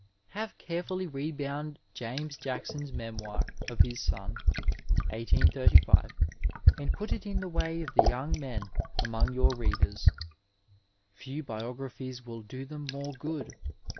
Have carefully rebound James Jackson's memoir of his son (1835), and put it in the way of the young men among your readers. Few biographies will do them more good.